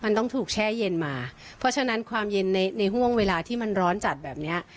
มันต้องถูกแช่เย็นมาเพราะฉะนั้นความเย็นในในห่วงเวลาที่มันร้อนจัดแบบเนี้ย